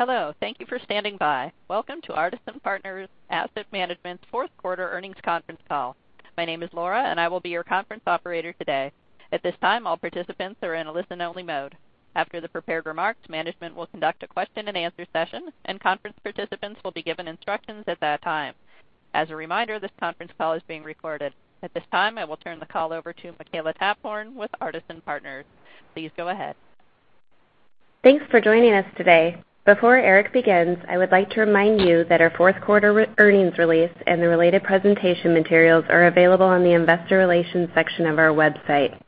Hello. Thank you for standing by. Welcome to Artisan Partners Asset Management's fourth quarter earnings conference call. My name is Laura, and I will be your conference operator today. At this time, all participants are in a listen-only mode. After the prepared remarks, management will conduct a question and answer session, and conference participants will be given instructions at that time. As a reminder, this conference call is being recorded. At this time, I will turn the call over to Makela Taphorn with Artisan Partners. Please go ahead. Thanks for joining us today. Before Eric begins, I would like to remind you that our fourth quarter earnings release and the related presentation materials are available on the investor relations section of our website.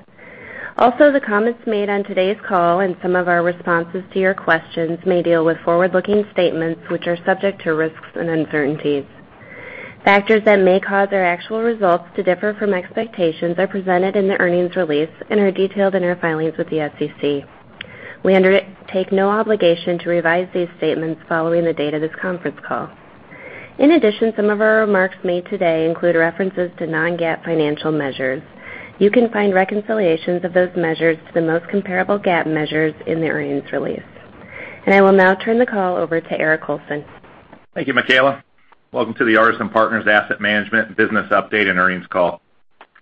Also, the comments made on today's call and some of our responses to your questions may deal with forward-looking statements which are subject to risks and uncertainties. Factors that may cause our actual results to differ from expectations are presented in the earnings release and are detailed in our filings with the SEC. We undertake no obligation to revise these statements following the date of this conference call. In addition, some of our remarks made today include references to non-GAAP financial measures. You can find reconciliations of those measures to the most comparable GAAP measures in the earnings release. I will now turn the call over to Eric Colson. Thank you, Makela. Welcome to the Artisan Partners Asset Management business update and earnings call.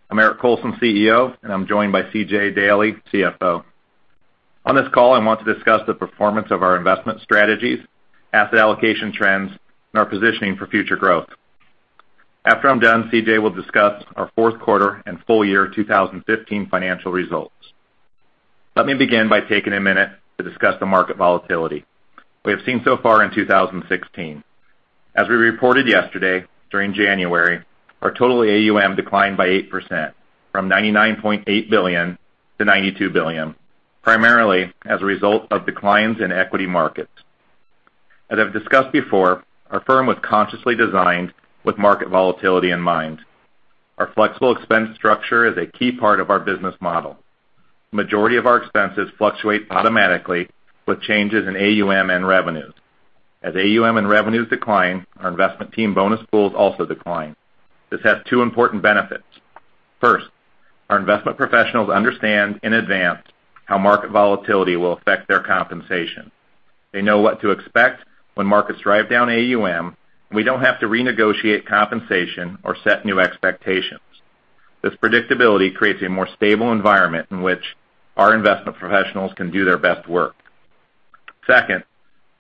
I'm Eric Colson, CEO, and I'm joined by C.J. Daley, CFO. On this call, I want to discuss the performance of our investment strategies, asset allocation trends, and our positioning for future growth. After I'm done, C.J. will discuss our fourth quarter and full year 2015 financial results. Let me begin by taking a minute to discuss the market volatility we have seen so far in 2016. As we reported yesterday, during January, our total AUM declined by 8%, from $99.8 billion to $92 billion, primarily as a result of declines in equity markets. As I've discussed before, our firm was consciously designed with market volatility in mind. Our flexible expense structure is a key part of our business model. The majority of our expenses fluctuate automatically with changes in AUM and revenues. As AUM and revenues decline, our investment team bonus pools also decline. This has two important benefits. First, our investment professionals understand in advance how market volatility will affect their compensation. They know what to expect when markets drive down AUM. We don't have to renegotiate compensation or set new expectations. This predictability creates a more stable environment in which our investment professionals can do their best work. Second,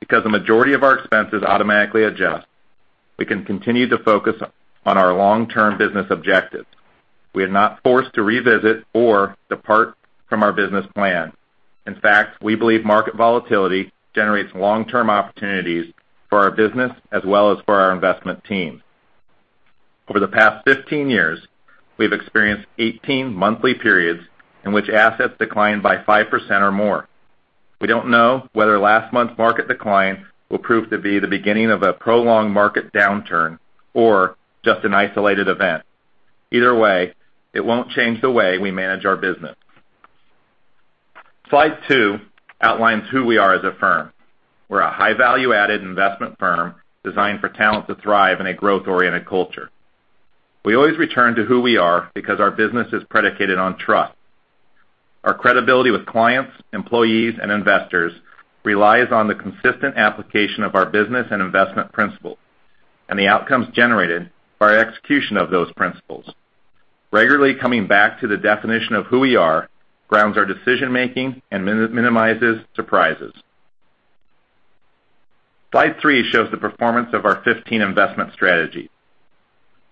because the majority of our expenses automatically adjust, we can continue to focus on our long-term business objectives. We are not forced to revisit or depart from our business plan. In fact, we believe market volatility generates long-term opportunities for our business as well as for our investment team. Over the past 15 years, we've experienced 18 monthly periods in which assets declined by 5% or more. We don't know whether last month's market decline will prove to be the beginning of a prolonged market downturn or just an isolated event. Either way, it won't change the way we manage our business. Slide two outlines who we are as a firm. We're a high value-added investment firm designed for talent to thrive in a growth-oriented culture. We always return to who we are because our business is predicated on trust. Our credibility with clients, employees, and investors relies on the consistent application of our business and investment principles and the outcomes generated by our execution of those principles. Regularly coming back to the definition of who we are grounds our decision-making and minimizes surprises. Slide three shows the performance of our 15 investment strategies.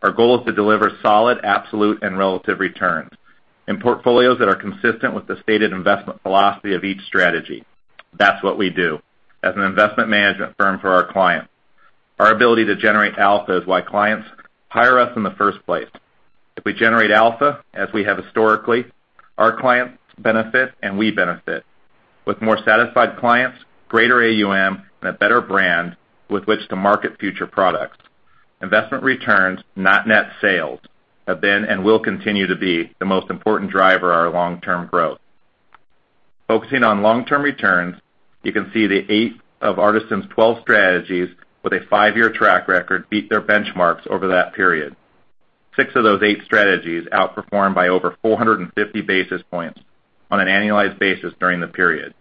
Our goal is to deliver solid, absolute, and relative returns in portfolios that are consistent with the stated investment philosophy of each strategy. That's what we do as an investment management firm for our clients. Our ability to generate alpha is why clients hire us in the first place. If we generate alpha, as we have historically, our clients benefit, and we benefit. With more satisfied clients, greater AUM, and a better brand with which to market future products. Investment returns, not net sales, have been and will continue to be the most important driver of our long-term growth. Focusing on long-term returns, you can see that eight of Artisan's 12 strategies with a five-year track record beat their benchmarks over that period. Six of those eight strategies outperformed by over 450 basis points on an annualized basis during the period.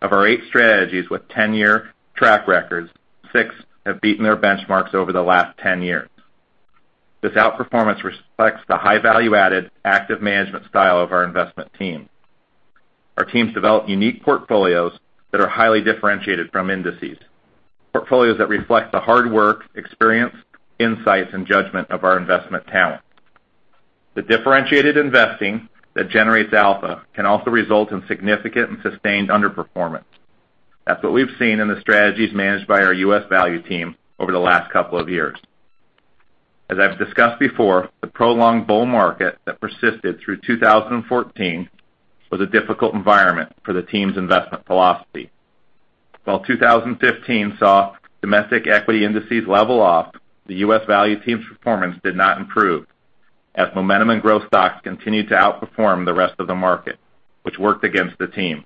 Of our eight strategies with 10-year track records, six have beaten their benchmarks over the last 10 years. This outperformance reflects the high value-added active management style of our investment team. Our teams develop unique portfolios that are highly differentiated from indices, portfolios that reflect the hard work, experience, insights, and judgment of our investment talent. The differentiated investing that generates alpha can also result in significant and sustained underperformance. That's what we've seen in the strategies managed by our U.S. value team over the last couple of years. As I've discussed before, the prolonged bull market that persisted through 2014 was a difficult environment for the team's investment philosophy. While 2015 saw domestic equity indices level off, the U.S. value team's performance did not improve, as momentum and growth stocks continued to outperform the rest of the market, which worked against the team.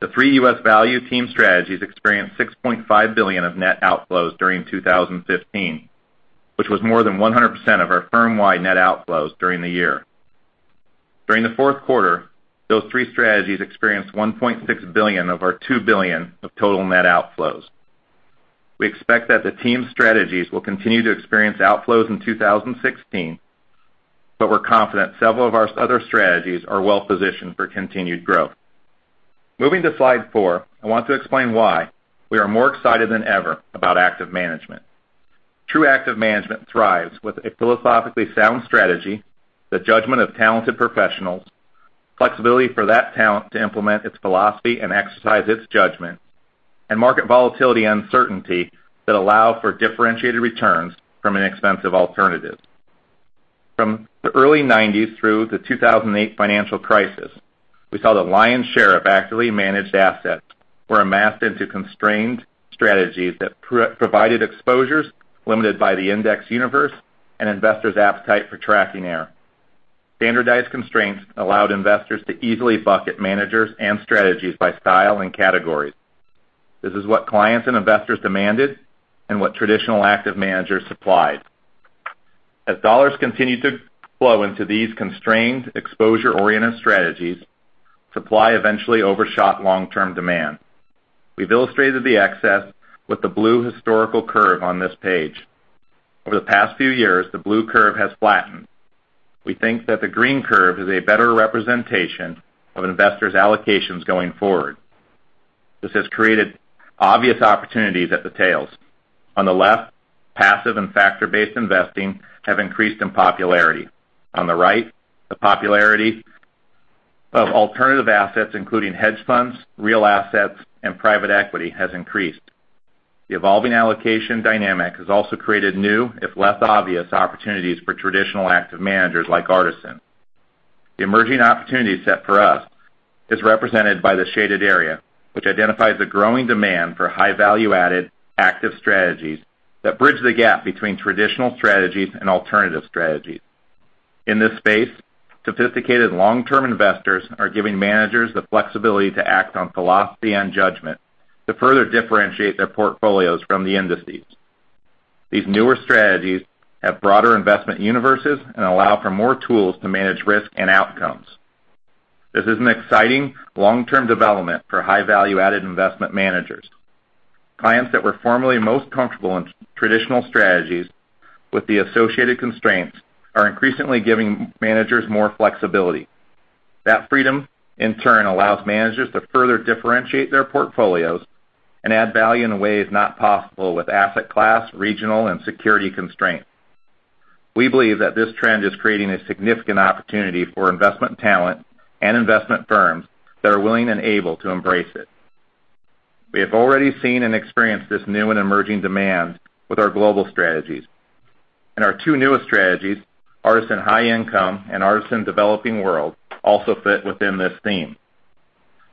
The three U.S. value team strategies experienced $6.5 billion of net outflows during 2015, which was more than 100% of our firm-wide net outflows during the year. During the fourth quarter, those three strategies experienced $1.6 billion of our $2 billion of total net outflows. We expect that the team strategies will continue to experience outflows in 2016, but we're confident several of our other strategies are well positioned for continued growth. Moving to slide four, I want to explain why we are more excited than ever about active management. True active management thrives with a philosophically sound strategy, the judgment of talented professionals, flexibility for that talent to implement its philosophy and exercise its judgment, and market volatility uncertainty that allow for differentiated returns from an expensive alternative. From the early 1990s through the 2008 financial crisis, we saw the lion's share of actively managed assets were amassed into constrained strategies that provided exposures limited by the index universe and investors' appetite for tracking error. Standardized constraints allowed investors to easily bucket managers and strategies by style and categories. This is what clients and investors demanded and what traditional active managers supplied. As $ continued to flow into these constrained exposure oriented strategies, supply eventually overshot long term demand. We've illustrated the excess with the blue historical curve on this page. Over the past few years, the blue curve has flattened. We think that the green curve is a better representation of investors' allocations going forward. This has created obvious opportunities at the tails. On the left, passive and factor-based investing have increased in popularity. The popularity of alternative assets, including hedge funds, real assets, and private equity, has increased. The evolving allocation dynamic has also created new, if less obvious, opportunities for traditional active managers like Artisan. The emerging opportunity set for us is represented by the shaded area, which identifies a growing demand for high value added active strategies that bridge the gap between traditional strategies and alternative strategies. In this space, sophisticated long term investors are giving managers the flexibility to act on philosophy and judgment to further differentiate their portfolios from the indices. These newer strategies have broader investment universes and allow for more tools to manage risk and outcomes. This is an exciting long term development for high value added investment managers. Clients that were formerly most comfortable in traditional strategies with the associated constraints are increasingly giving managers more flexibility. That freedom, in turn, allows managers to further differentiate their portfolios and add value in ways not possible with asset class, regional and security constraints. We believe that this trend is creating a significant opportunity for investment talent and investment firms that are willing and able to embrace it. We have already seen and experienced this new and emerging demand with our global strategies. Our two newest strategies, Artisan High Income and Artisan Developing World, also fit within this theme.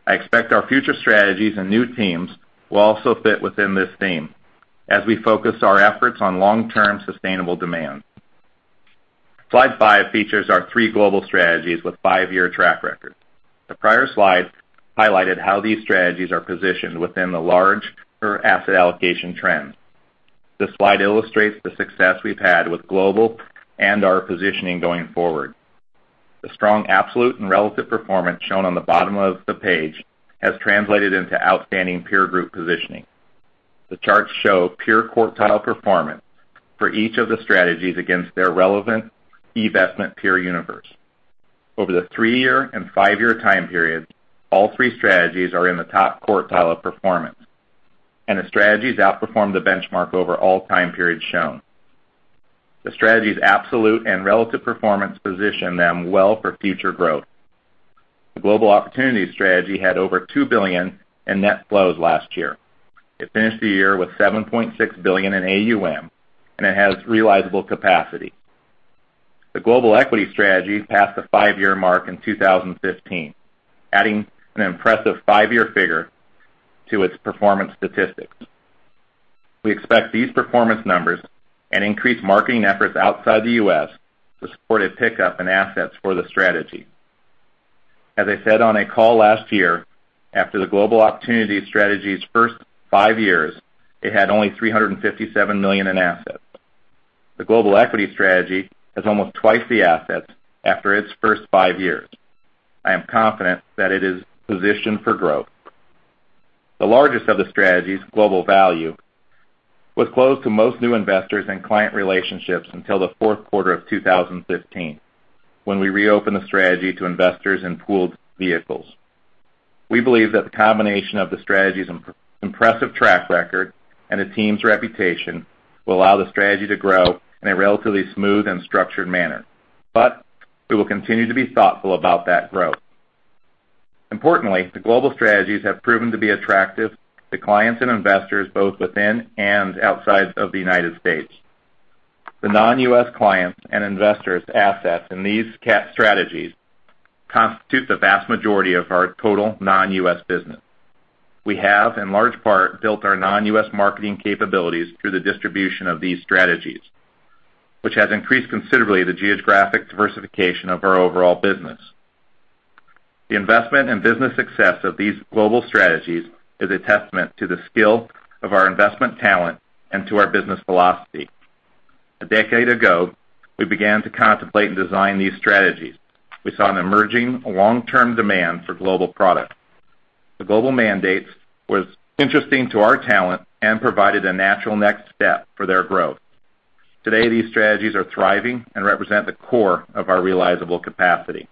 I expect our future strategies and new teams will also fit within this theme as we focus our efforts on long term sustainable demand. Slide five features our three global strategies with five year track records. The prior slide highlighted how these strategies are positioned within the larger asset allocation trend. This slide illustrates the success we've had with global and our positioning going forward. The strong absolute and relative performance shown on the bottom of the page has translated into outstanding peer group positioning. The charts show peer quartile performance for each of the strategies against their relevant investment peer universe. Over the three-year and five-year time periods, all three strategies are in the top quartile of performance. The strategies outperform the benchmark over all time periods shown. The strategies absolute and relative performance position them well for future growth. The Global Opportunity strategy had over $2 billion in net flows last year. It finished the year with $7.6 billion in AUM. It has realizable capacity. The Global Equity strategy passed the five year mark in 2015, adding an impressive five year figure to its performance statistics. We expect these performance numbers and increased marketing efforts outside the U.S. to support a pickup in assets for the strategy. As I said on a call last year, after the Global Opportunity strategy's first five years, it had only $357 million in assets. The Global Equity strategy has almost twice the assets after its first five years. I am confident that it is positioned for growth. The largest of the strategies, Global Value, was closed to most new investors and client relationships until the fourth quarter of 2015, when we reopened the strategy to investors in pooled vehicles. We believe that the combination of the strategy's impressive track record and the team's reputation will allow the strategy to grow in a relatively smooth and structured manner, but we will continue to be thoughtful about that growth. Importantly, the global strategies have proven to be attractive to clients and investors both within and outside of the U.S. The non-U.S. clients and investors assets in these strategies constitute the vast majority of our total non-U.S. business. We have, in large part, built our non-U.S. marketing capabilities through the distribution of these strategies, which has increased considerably the geographic diversification of our overall business. The investment and business success of these global strategies is a testament to the skill of our investment talent and to our business philosophy. A decade ago, we began to contemplate and design these strategies. We saw an emerging long-term demand for global products. The global mandates was interesting to our talent and provided a natural next step for their growth. Today, these strategies are thriving and represent the core of our realizable capacity.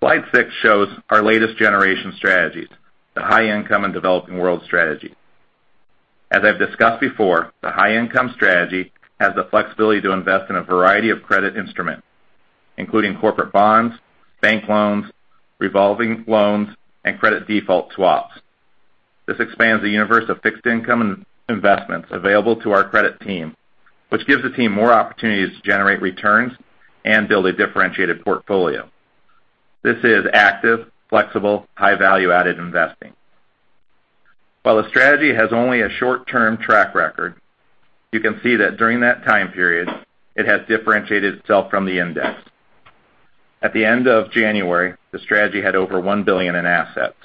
Slide six shows our latest generation strategies, the High Income and Developing World strategy. As I've discussed before, the High Income strategy has the flexibility to invest in a variety of credit instruments, including corporate bonds, bank loans, revolving loans, and credit default swaps. This expands the universe of fixed income investments available to our credit team, which gives the team more opportunities to generate returns and build a differentiated portfolio. This is active, flexible, high value-added investing. While the strategy has only a short-term track record, you can see that during that time period, it has differentiated itself from the index. At the end of January, the strategy had over $1 billion in assets.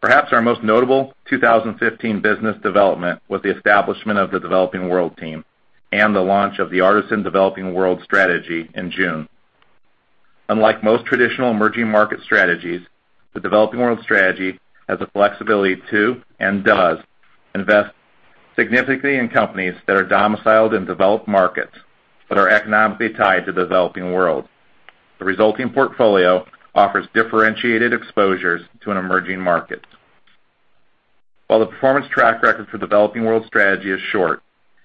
Perhaps our most notable 2015 business development was the establishment of the Developing World team and the launch of the Artisan Developing World strategy in June. Unlike most traditional Emerging Market strategies, the Developing World strategy has the flexibility to and does invest significantly in companies that are domiciled in developed markets but are economically tied to the Developing World. The resulting portfolio offers differentiated exposures to an Emerging Market. While the performance track record for Developing World strategy is short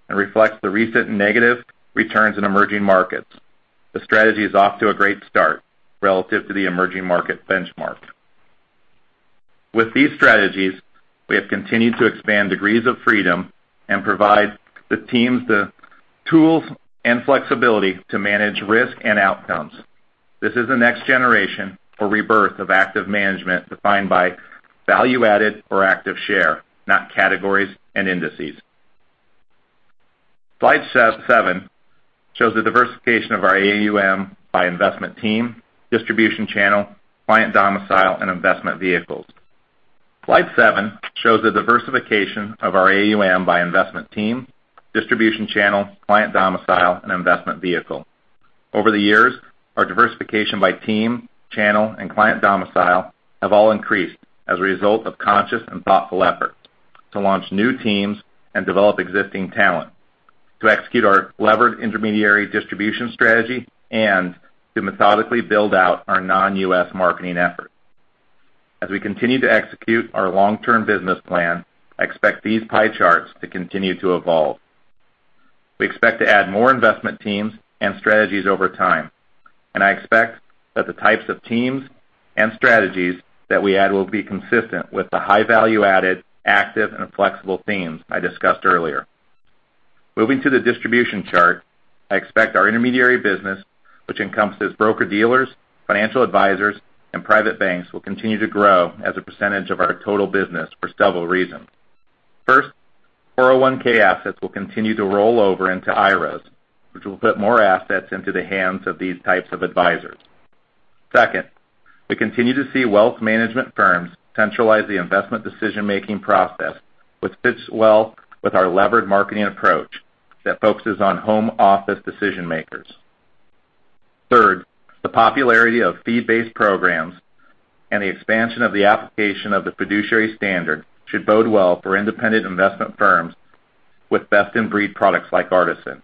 and reflects the recent negative returns in Emerging Markets, the strategy is off to a great start relative to the Emerging Market benchmark. With these strategies, we have continued to expand degrees of freedom and provide the teams the tools and flexibility to manage risk and outcomes. This is the next generation or rebirth of active management defined by value-added or active share, not categories and indices. Slide seven shows the diversification of our AUM by investment team, distribution channel, client domicile, and investment vehicles. Slide seven shows the diversification of our AUM by investment team, distribution channel, client domicile, and investment vehicle. Over the years, our diversification by team, channel, and client domicile have all increased as a result of conscious and thoughtful effort to launch new teams and develop existing talent, to execute our levered intermediary distribution strategy, and to methodically build out our non-U.S. marketing efforts. As we continue to execute our long-term business plan, I expect these pie charts to continue to evolve. We expect to add more investment teams and strategies over time, and I expect that the types of teams and strategies that we add will be consistent with the high value-added, active, and flexible themes I discussed earlier. Moving to the distribution chart, I expect our intermediary business, which encompasses broker-dealers, financial advisors, and private banks, will continue to grow as a percentage of our total business for several reasons. First, 401(k) assets will continue to roll over into IRAs, which will put more assets into the hands of these types of advisors. Second, we continue to see wealth management firms centralize the investment decision-making process, which fits well with our levered marketing approach that focuses on home office decision makers. Third, the popularity of fee-based programs and the expansion of the application of the fiduciary standard should bode well for independent investment firms with best-in-breed products like Artisan.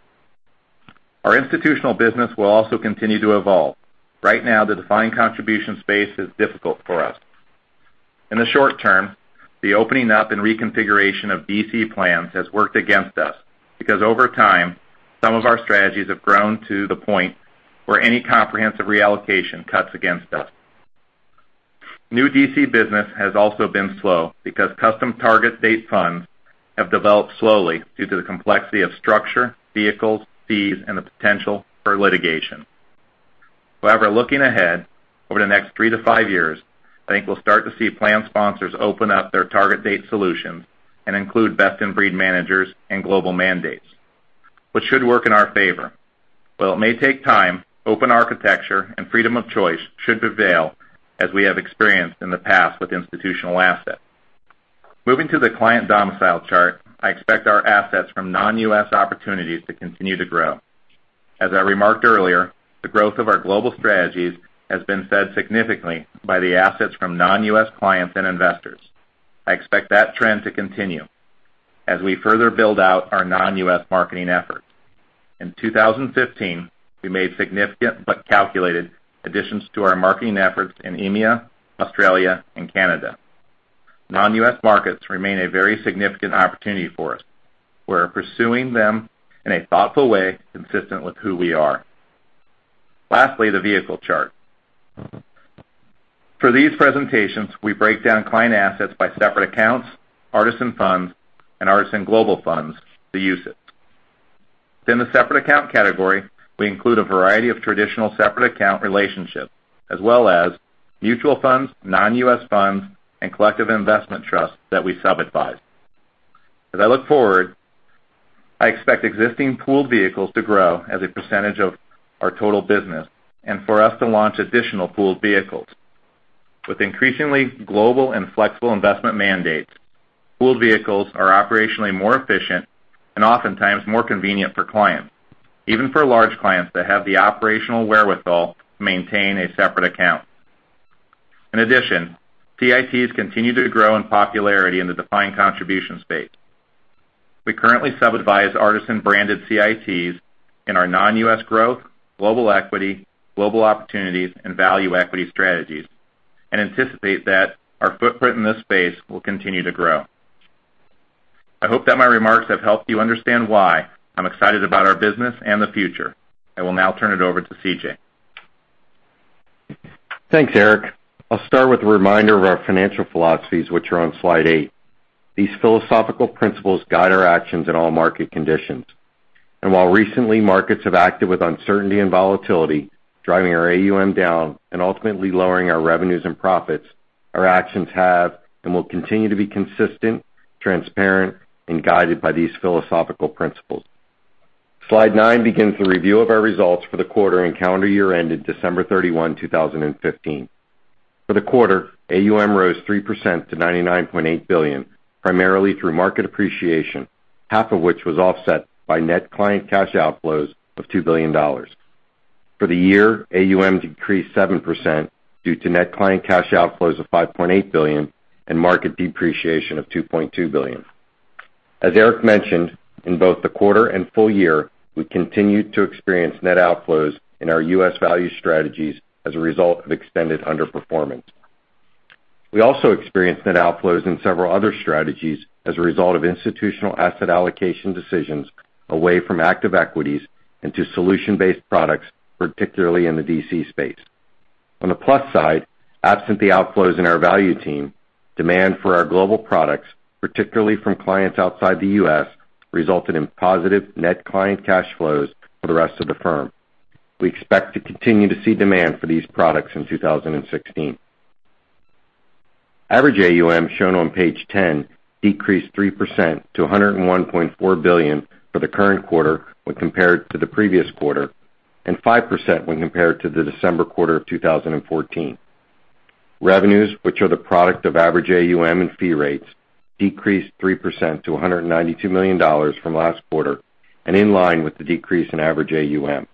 Our institutional business will also continue to evolve. Right now, the defined contribution space is difficult for us. In the short term, the opening up and reconfiguration of DC plans has worked against us because over time, some of our strategies have grown to the point where any comprehensive reallocation cuts against us. New DC business has also been slow because custom target date funds have developed slowly due to the complexity of structure, vehicles, fees, and the potential for litigation. However, looking ahead, over the next three to five years, I think we'll start to see plan sponsors open up their target date solutions and include best-in-breed managers and global mandates, which should work in our favor. While it may take time, open architecture and freedom of choice should prevail, as we have experienced in the past with institutional assets. Moving to the client domicile chart, I expect our assets from non-U.S. opportunities to continue to grow. As I remarked earlier, the growth of our global strategies has been fed significantly by the assets from non-U.S. clients and investors. I expect that trend to continue as we further build out our non-U.S. marketing efforts. In 2015, we made significant but calculated additions to our marketing efforts in EMEA, Australia, and Canada. Non-U.S. markets remain a very significant opportunity for us. We are pursuing them in a thoughtful way, consistent with who we are. Lastly, the vehicle chart. For these presentations, we break down client assets by separate accounts, Artisan Funds, and Artisan Global Funds (UCITS). Within the separate account category, we include a variety of traditional separate account relationships, as well as mutual funds, non-U.S. funds, and Collective Investment Trusts that we sub-advise. As I look forward, I expect existing pooled vehicles to grow as a percentage of our total business and for us to launch additional pooled vehicles. With increasingly global and flexible investment mandates, pooled vehicles are operationally more efficient and oftentimes more convenient for clients, even for large clients that have the operational wherewithal to maintain a separate account. In addition, CITs continue to grow in popularity in the defined contribution space. We currently sub-advise Artisan-branded CITs in our Non-U.S. Growth, Global Equity, Global Opportunity, and Value Equity strategies, and anticipate that our footprint in this space will continue to grow. I hope that my remarks have helped you understand why I'm excited about our business and the future. I will now turn it over to C.J. Thanks, Eric. I'll start with a reminder of our financial philosophies, which are on slide eight. These philosophical principles guide our actions in all market conditions. While recently markets have acted with uncertainty and volatility, driving our AUM down and ultimately lowering our revenues and profits, our actions have and will continue to be consistent, transparent, and guided by these philosophical principles. Slide nine begins the review of our results for the quarter and calendar year ended December 31, 2015. For the quarter, AUM rose 3% to $99.8 billion, primarily through market appreciation, half of which was offset by net client cash outflows of $2 billion. For the year, AUM decreased 7% due to net client cash outflows of $5.8 billion and market depreciation of $2.2 billion. As Eric mentioned, in both the quarter and full year, we continued to experience net outflows in our U.S. Value strategies as a result of extended underperformance. We also experienced net outflows in several other strategies as a result of institutional asset allocation decisions away from active equities into solution-based products, particularly in the DC space. On the plus side, absent the outflows in our value team, demand for our global products, particularly from clients outside the U.S., resulted in positive net client cash flows for the rest of the firm. We expect to continue to see demand for these products in 2016. Average AUM, shown on page 10, decreased 3% to $101.4 billion for the current quarter when compared to the previous quarter, and 5% when compared to the December quarter of 2014. Revenues, which are the product of average AUM and fee rates, decreased 3% to $192 million from last quarter and in line with the decrease in average AUM.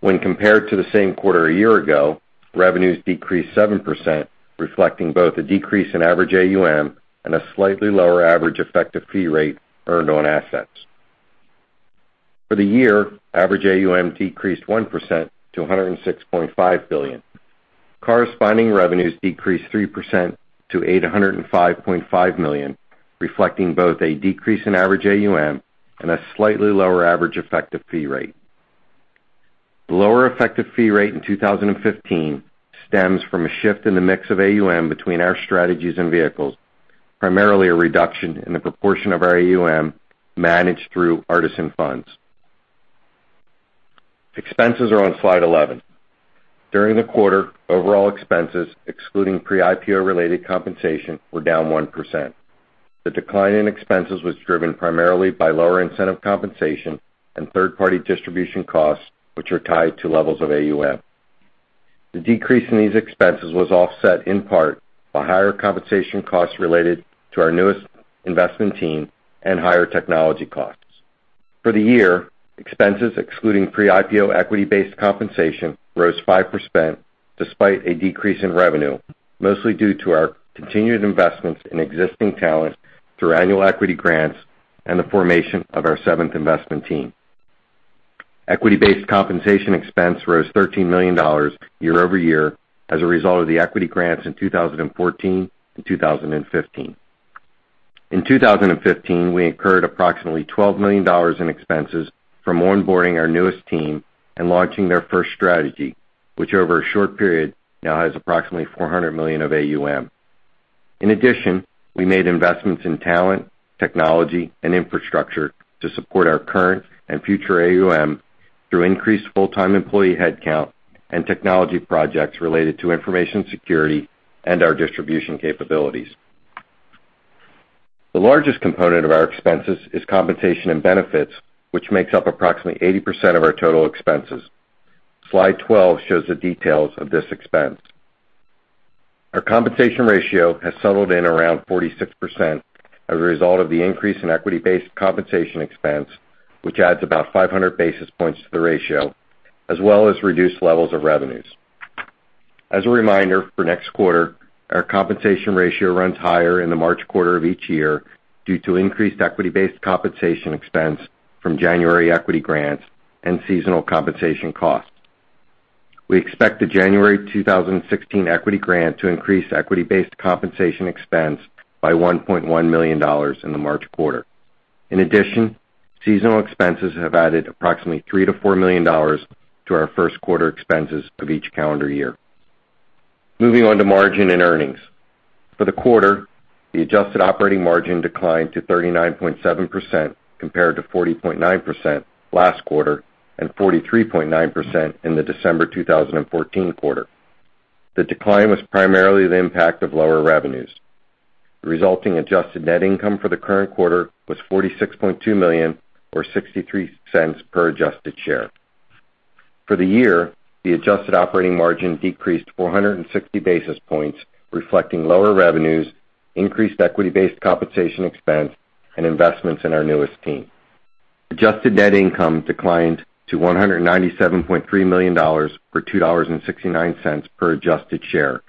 When compared to the same quarter a year ago, revenues decreased 7%, reflecting both a decrease in average AUM and a slightly lower average effective fee rate earned on assets. For the year, average AUM decreased 1% to $106.5 billion. Corresponding revenues decreased 3% to $805.5 million, reflecting both a decrease in average AUM and a slightly lower average effective fee rate. The lower effective fee rate in 2015 stems from a shift in the mix of AUM between our strategies and vehicles, primarily a reduction in the proportion of our AUM managed through Artisan Funds. Expenses are on slide 11. During the quarter, overall expenses, excluding pre-IPO related compensation, were down 1%. The decline in expenses was driven primarily by lower incentive compensation and third-party distribution costs, which are tied to levels of AUM. The decrease in these expenses was offset in part by higher compensation costs related to our newest investment team and higher technology costs. For the year, expenses excluding pre-IPO equity-based compensation rose 5% despite a decrease in revenue, mostly due to our continued investments in existing talent through annual equity grants and the formation of our seventh investment team. Equity-based compensation expense rose $13 million year-over-year as a result of the equity grants in 2014 and 2015. In 2015, we incurred approximately $12 million in expenses from onboarding our newest team and launching their first strategy, which over a short period now has approximately $400 million of AUM. We made investments in talent, technology, and infrastructure to support our current and future AUM through increased full-time employee headcount and technology projects related to information security and our distribution capabilities. The largest component of our expenses is compensation and benefits, which makes up approximately 80% of our total expenses. Slide 12 shows the details of this expense. Our compensation ratio has settled in around 46% as a result of the increase in equity-based compensation expense, which adds about 500 basis points to the ratio, as well as reduced levels of revenues. As a reminder, for next quarter, our compensation ratio runs higher in the March quarter of each year due to increased equity-based compensation expense from January equity grants and seasonal compensation costs. We expect the January 2016 equity grant to increase equity-based compensation expense by $1.1 million in the March quarter. Seasonal expenses have added approximately $3 million to $4 million to our first quarter expenses of each calendar year. Moving on to margin and earnings. For the quarter, the adjusted operating margin declined to 39.7% compared to 40.9% last quarter and 43.9% in the December 2014 quarter. The decline was primarily the impact of lower revenues. The resulting adjusted net income for the current quarter was $46.2 million, or $0.63 per adjusted share. For the year, the adjusted operating margin decreased 460 basis points, reflecting lower revenues, increased equity-based compensation expense, and investments in our newest team. Adjusted net income declined to $197.3 million, or $2.69 per adjusted share,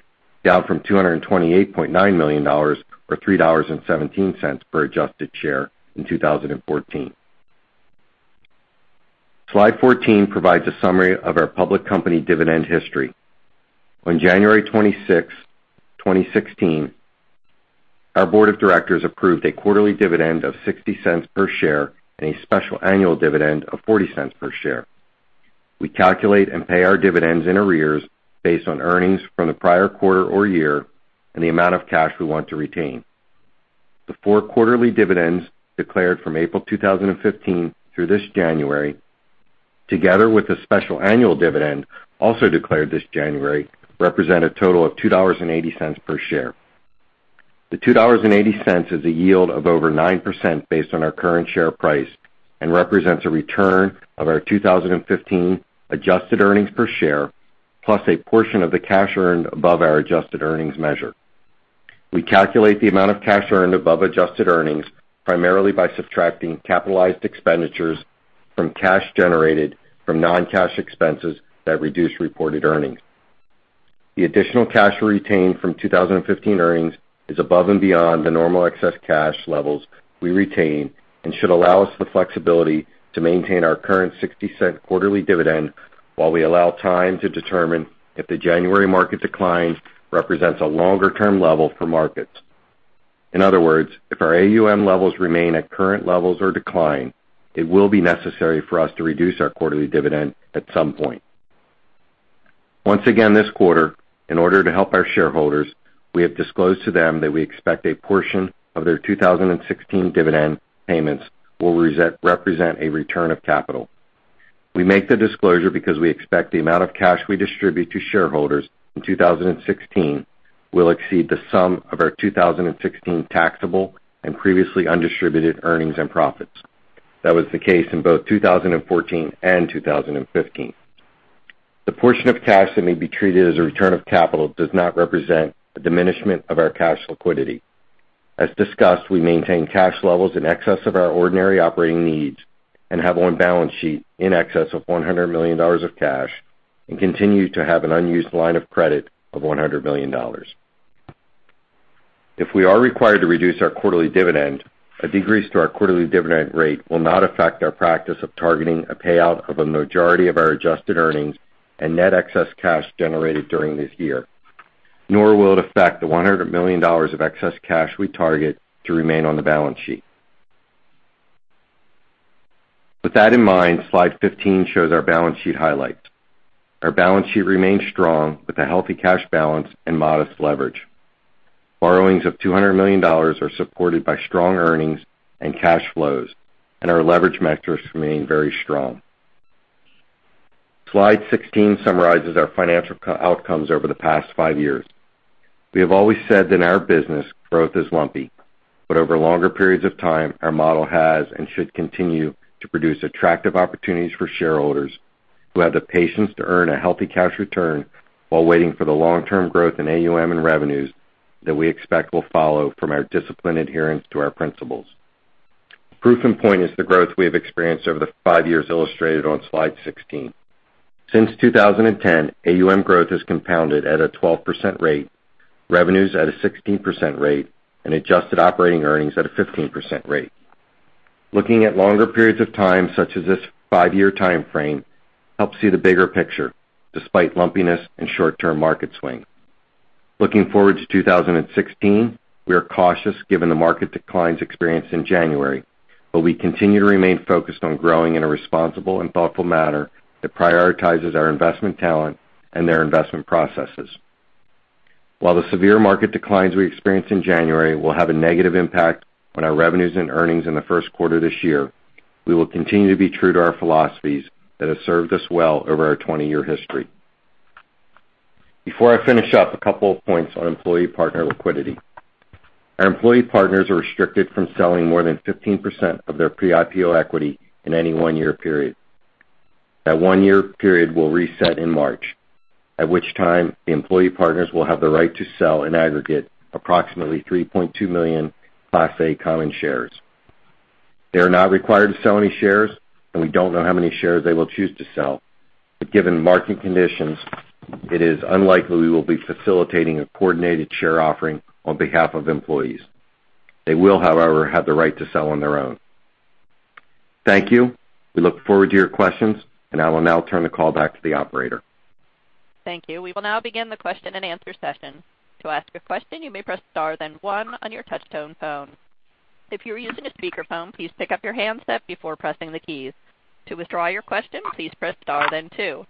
down from $228.9 million or $3.17 per adjusted share in 2014. Slide 14 provides a summary of our public company dividend history. On January 26, 2016, our board of directors approved a quarterly dividend of $0.60 per share and a special annual dividend of $0.40 per share. We calculate and pay our dividends in arrears based on earnings from the prior quarter or year and the amount of cash we want to retain. The four quarterly dividends declared from April 2015 through this January, together with a special annual dividend also declared this January, represent a total of $2.80 per share. The $2.80 is a yield of over 9% based on our current share price and represents a return of our 2015 adjusted earnings per share, plus a portion of the cash earned above our adjusted earnings measure. We calculate the amount of cash earned above adjusted earnings primarily by subtracting capitalized expenditures from cash generated from non-cash expenses that reduce reported earnings. The additional cash retained from 2015 earnings is above and beyond the normal excess cash levels we retain and should allow us the flexibility to maintain our current $0.60 quarterly dividend while we allow time to determine if the January market decline represents a longer-term level for markets. In other words, if our AUM levels remain at current levels or decline, it will be necessary for us to reduce our quarterly dividend at some point. Once again this quarter, in order to help our shareholders, we have disclosed to them that we expect a portion of their 2016 dividend payments will represent a return of capital. We make the disclosure because we expect the amount of cash we distribute to shareholders in 2016 will exceed the sum of our 2016 taxable and previously undistributed earnings and profits. That was the case in both 2014 and 2015. The portion of cash that may be treated as a return of capital does not represent a diminishment of our cash liquidity. As discussed, we maintain cash levels in excess of our ordinary operating needs and have on balance sheet in excess of $100 million of cash and continue to have an unused line of credit of $100 million. If we are required to reduce our quarterly dividend, a decrease to our quarterly dividend rate will not affect our practice of targeting a payout of a majority of our adjusted earnings and net excess cash generated during this year, nor will it affect the $100 million of excess cash we target to remain on the balance sheet. With that in mind, slide 15 shows our balance sheet highlights. Our balance sheet remains strong with a healthy cash balance and modest leverage. Borrowings of $200 million are supported by strong earnings and cash flows. Our leverage metrics remain very strong. Slide 16 summarizes our financial outcomes over the past five years. We have always said that in our business, growth is lumpy. Over longer periods of time, our model has and should continue to produce attractive opportunities for shareholders who have the patience to earn a healthy cash return while waiting for the long-term growth in AUM and revenues that we expect will follow from our disciplined adherence to our principles. Proof in point is the growth we have experienced over the five years illustrated on slide 16. Since 2010, AUM growth has compounded at a 12% rate, revenues at a 16% rate, and adjusted operating earnings at a 15% rate. Looking at longer periods of time, such as this five-year timeframe, helps see the bigger picture despite lumpiness and short-term market swings. Looking forward to 2016, we are cautious given the market declines experienced in January. We continue to remain focused on growing in a responsible and thoughtful manner that prioritizes our investment talent and their investment processes. While the severe market declines we experienced in January will have a negative impact on our revenues and earnings in the first quarter this year, we will continue to be true to our philosophies that have served us well over our 20-year history. Before I finish up, a couple of points on employee partner liquidity. Our employee partners are restricted from selling more than 15% of their pre-IPO equity in any one-year period. That one-year period will reset in March, at which time the employee partners will have the right to sell, in aggregate, approximately 3.2 million Class A common shares. They are not required to sell any shares, and we don't know how many shares they will choose to sell. Given market conditions, it is unlikely we will be facilitating a coordinated share offering on behalf of employees. They will, however, have the right to sell on their own. Thank you. We look forward to your questions, and I will now turn the call back to the operator. Thank you. We will now begin the question and answer session. To ask a question, you may press star then one on your touch-tone phone. If you are using a speakerphone, please pick up your handset before pressing the keys. To withdraw your question, please press star then two.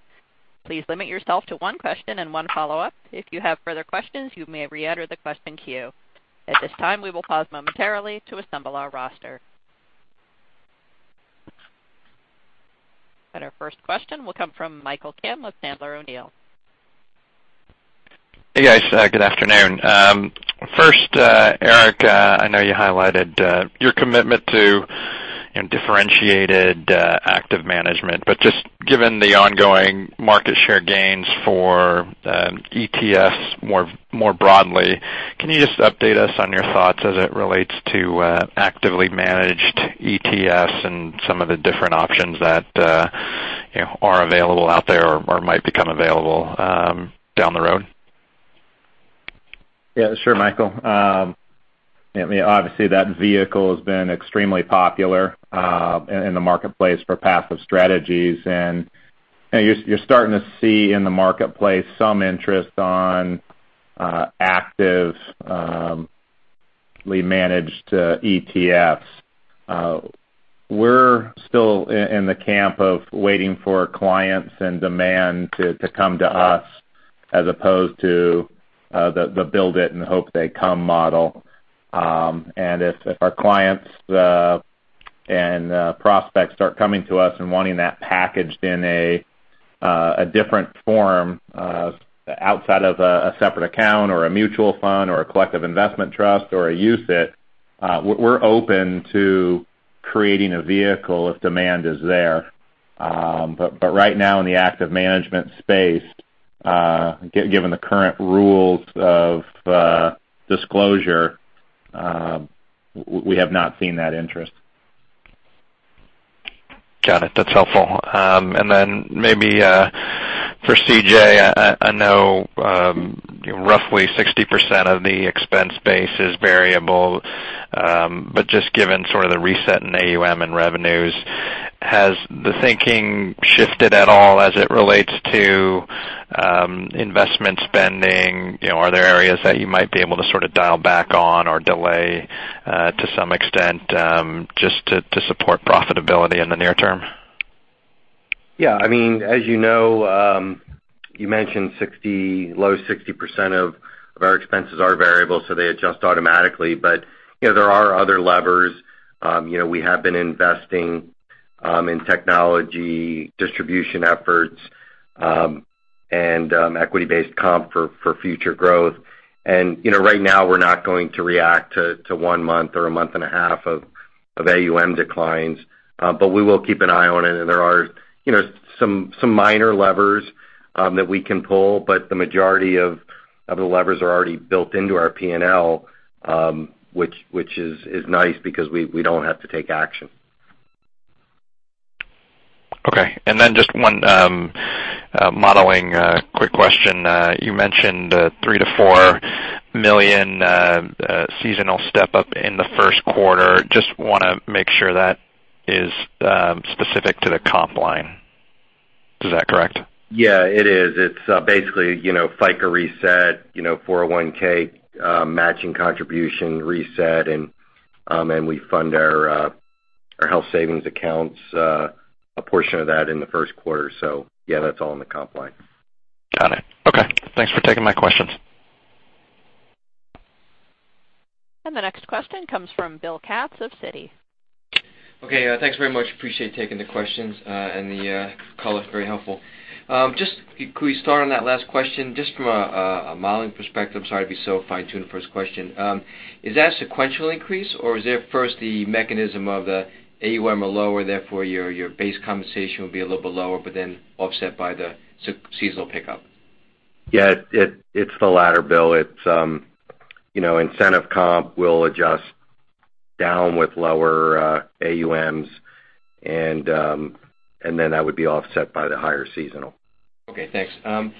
Please limit yourself to one question and one follow-up. If you have further questions, you may reenter the question queue. At this time, we will pause momentarily to assemble our roster. Our first question will come from Michael Kim of Sandler O'Neill. Hey, guys. Good afternoon. First, Eric, I know you highlighted your commitment to differentiated active management, just given the ongoing market share gains for ETFs more broadly, can you just update us on your thoughts as it relates to actively managed ETFs and some of the different options that are available out there or might become available down the road? Yeah, sure, Michael. Obviously, that vehicle has been extremely popular in the marketplace for passive strategies, and you're starting to see in the marketplace some interest on actively managed ETFs. We're still in the camp of waiting for clients and demand to come to us as opposed to the build it and hope they come model. If our clients and prospects start coming to us and wanting that packaged in a different form outside of a separate account or a mutual fund or a collective investment trust or a UCITS, we're open to creating a vehicle if demand is there. Right now, in the active management space, given the current rules of disclosure, we have not seen that interest. Got it. That's helpful. Then maybe for CJ, I know roughly 60% of the expense base is variable. Just given the reset in AUM and revenues, has the thinking shifted at all as it relates to investment spending? Are there areas that you might be able to dial back on or delay to some extent just to support profitability in the near term? Yeah. As you know, you mentioned low 60% of our expenses are variable, so they adjust automatically. There are other levers. We have been investing in technology distribution efforts and equity-based comp for future growth. Right now, we're not going to react to one month or a month and a half of AUM declines. We will keep an eye on it, and there are some minor levers that we can pull, but the majority of the levers are already built into our P&L which is nice because we don't have to take action. Okay. Then just one modeling quick question. You mentioned three to four million seasonal step-up in the first quarter. Just want to make sure that is specific to the comp line. Is that correct? Yeah, it is. It's basically FICA reset, 401 matching contribution reset, and we fund our health savings accounts, a portion of that in the first quarter. Yeah, that's all in the comp line. Got it. Okay. Thanks for taking my questions. The next question comes from Bill Katz of Citi. Okay. Thanks very much. Appreciate taking the questions, and the call is very helpful. Could we start on that last question, just from a modeling perspective? Sorry to be so fine-tuned the first question. Is that a sequential increase, or is there first the mechanism of the AUM are lower, therefore, your base compensation would be a little bit lower but then offset by the seasonal pickup? Yeah. It's the latter, Bill. Incentive comp will adjust down with lower AUMs, and then that would be offset by the higher seasonal. Okay, thanks. On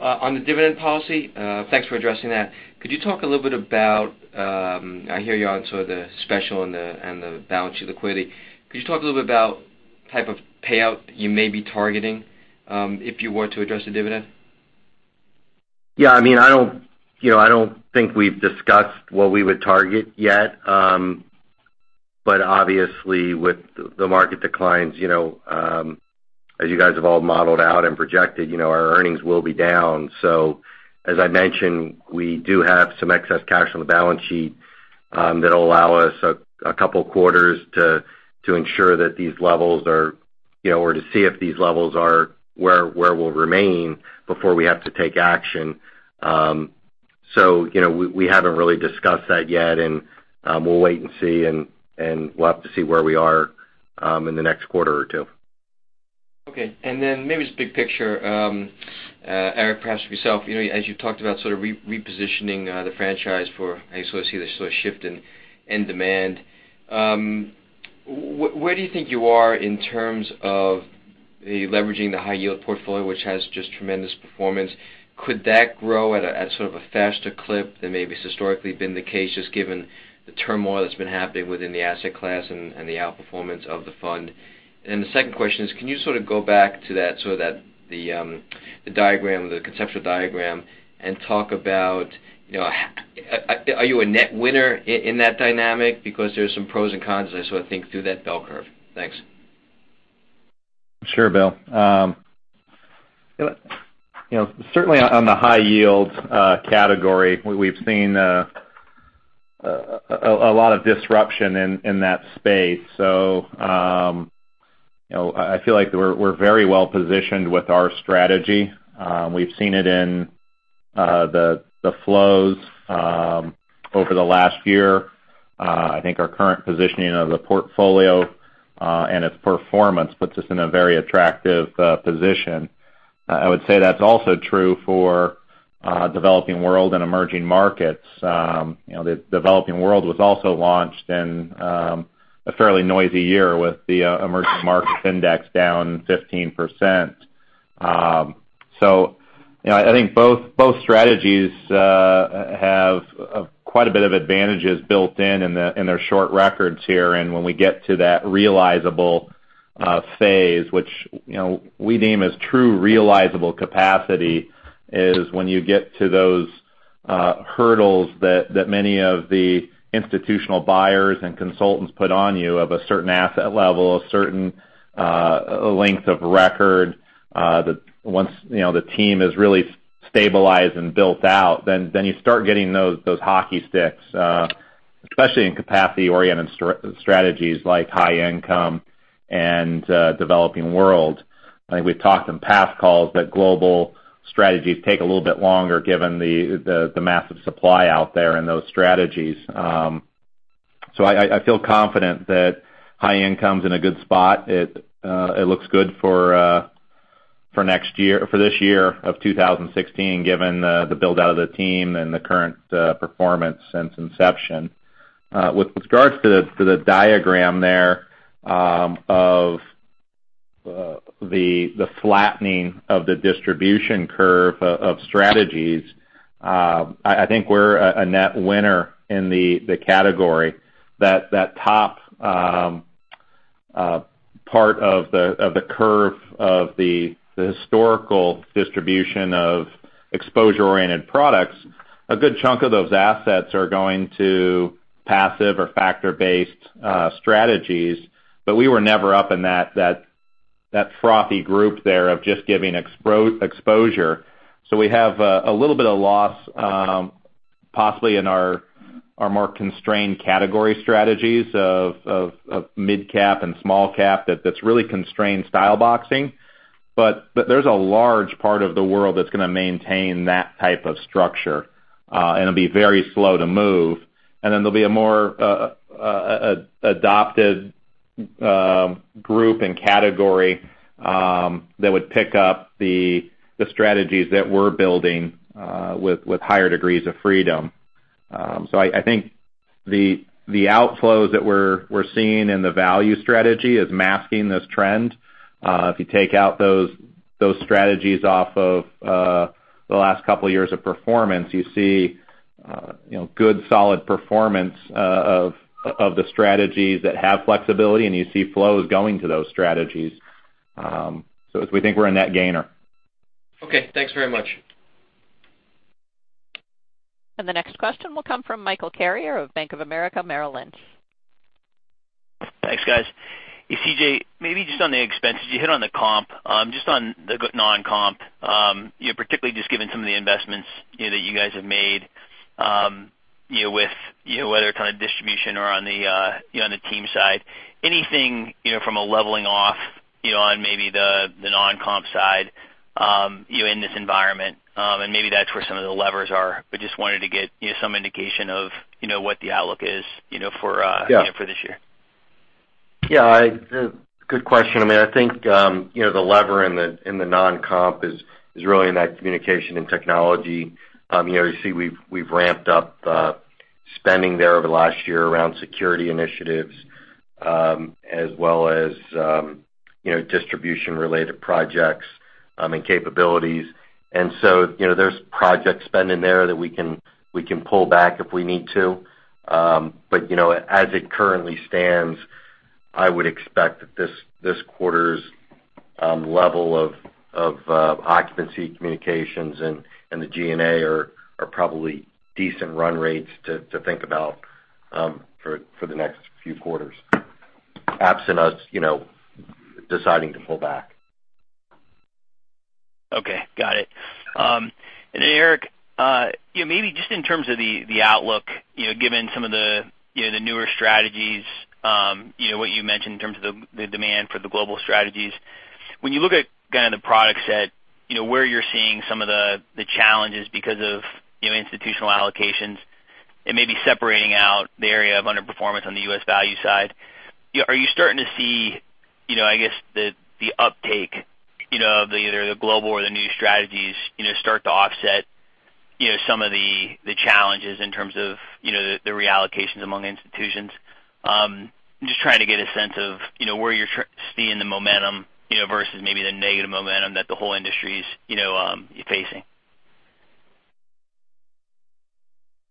the dividend policy, thanks for addressing that. Could you talk a little bit about, I hear you on the special and the balance sheet liquidity. Could you talk a little bit about the type of payout you may be targeting if you were to address a dividend? Yeah. I don't think we've discussed what we would target yet. Obviously, with the market declines, as you guys have all modeled out and projected, our earnings will be down. As I mentioned, we do have some excess cash on the balance sheet that'll allow us a couple of quarters to ensure that these levels are or to see if these levels are where we'll remain before we have to take action. We haven't really discussed that yet, and we'll wait and see, and we'll have to see where we are in the next quarter or two. Okay. Maybe just big picture, Eric, perhaps yourself. As you talked about repositioning the franchise for, I guess you see this shift in demand. Where do you think you are in terms of leveraging the high yield portfolio, which has just tremendous performance? Could that grow at a faster clip than maybe it's historically been the case, just given the turmoil that's been happening within the asset class and the outperformance of the fund? The second question is, can you go back to the diagram, the conceptual diagram, and talk about, are you a net winner in that dynamic? Because there's some pros and cons as I think through that bell curve. Thanks. Sure, Bill. Certainly on the high yield category, we've seen a lot of disruption in that space. I feel like we're very well-positioned with our strategy. We've seen it in the flows over the last year. I think our current positioning of the portfolio, and its performance puts us in a very attractive position. I would say that's also true for Artisan Developing World and emerging markets. The Artisan Developing World was also launched in a fairly noisy year with the Emerging Markets Index down 15%. I think both strategies have quite a bit of advantages built in their short records here. When we get to that realizable phase, which we deem as true realizable capacity, is when you get to those hurdles that many of the institutional buyers and consultants put on you of a certain asset level, a certain length of record. Once the team is really stabilized and built out, you start getting those hockey sticks, especially in capacity-oriented strategies like high income and developing world. I think we've talked in past calls that global strategies take a little bit longer given the massive supply out there in those strategies. I feel confident that high income's in a good spot. It looks good for this year of 2016, given the build-out of the team and the current performance since inception. With regards to the diagram there of the flattening of the distribution curve of strategies, I think we're a net winner in the category. That top part of the curve of the historical distribution of exposure-oriented products, a good chunk of those assets are going to passive or factor-based strategies. We were never up in that frothy group there of just giving exposure. We have a little bit of loss, possibly in our more constrained category strategies of mid-cap and small-cap that's really constrained style boxing. There's a large part of the world that's going to maintain that type of structure, and it'll be very slow to move. There'll be a more adopted group and category that would pick up the strategies that we're building with higher degrees of freedom. I think the outflows that we're seeing in the value strategy is masking this trend. If you take out those strategies off of the last couple of years of performance, you see good, solid performance of the strategies that have flexibility, and you see flows going to those strategies. We think we're a net gainer. Okay, thanks very much. The next question will come from Michael Carrier of Bank of America Merrill Lynch. Thanks, guys. CJ, maybe just on the expenses, you hit on the comp. Just on the non-comp, particularly just given some of the investments that you guys have made with whether distribution or on the team side. Anything from a leveling off on maybe the non-comp side in this environment? Maybe that's where some of the levers are, but just wanted to get some indication of what the outlook is for this year. Yeah. Good question. I think the lever in the non-comp is really in that communication and technology. You see we've ramped up spending there over the last year around security initiatives, as well as distribution-related projects and capabilities. There's project spend in there that we can pull back if we need to. As it currently stands, I would expect that this quarter's level of occupancy communications and the G&A are probably decent run rates to think about for the next few quarters, absent us deciding to pull back. Okay, got it. Eric, maybe just in terms of the outlook, given some of the newer strategies, what you mentioned in terms of the demand for the global strategies. When you look at the product set, where you're seeing some of the challenges because of institutional allocations and maybe separating out the area of underperformance on the U.S. Value side. Are you starting to see the uptake of either the global or the new strategies start to offset some of the challenges in terms of the reallocations among institutions? I'm just trying to get a sense of where you're seeing the momentum versus maybe the negative momentum that the whole industry is facing.